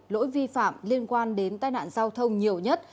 lỗi vi phạm liên quan đến tai nạn giao thông nhiều nhất